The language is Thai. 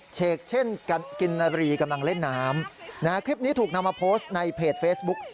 เชกเช่นกันกินนาบรีกำลังเล่นน้ำนะฮะคลิปนี้ถูกนำมาโพสต์ในเพจเฟซบุ๊ก